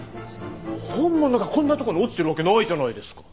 本物がこんなとこに落ちてるわけないじゃないですか。